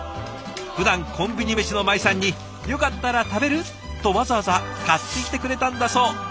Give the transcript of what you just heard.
ふだんコンビニメシの舞さんに「よかったら食べる？」とわざわざ買ってきてくれたんだそう。